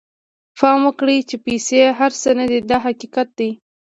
پام وکړئ چې پیسې هر څه نه دي دا حقیقت دی.